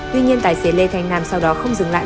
tuy nhiên tài xế lê thanh nam sau đó không dừng lại